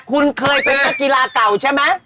คุณเคยไปกับภาคกีฬาเก่าใช่มั้ย